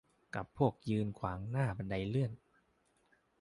กับพวกยืนขวางหน้าบันไดเลื่อน